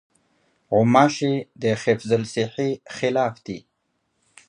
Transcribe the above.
غوماشې د حفظالصحې خلاف دي.